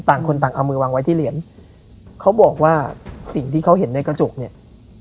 ต่างคนต่างเอามือวางไว้ที่เหรียญเขาบอกว่าสิ่งที่เขาเห็นในกระจกเนี่ย